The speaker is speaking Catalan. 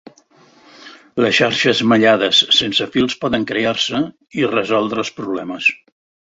Les xarxes mallades sense fils poden crear-se i resoldre els problemes.